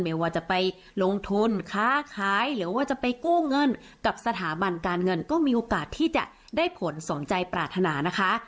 ไม่ว่าจะไปลงทุนค้าขายหรือว่าจะไปกู้เงินกับสถาบันการเงินก็มีโอกาสที่จะได้ผลสมใจปรารถนานะคะ